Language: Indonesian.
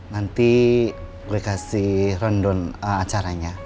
nanti gue kasih rundown acaranya